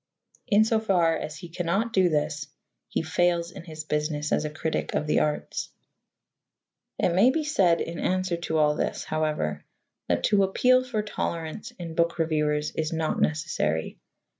In so far as he cannot do this, he fails in his business as a critic of the arts. It may be said in answer to all this, however, that to appeal for tolerance in book reviewers is not necessary.